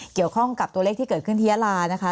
เกี่ยวข้องกับตัวเลขที่เกิดขึ้นที่ยาลานะคะ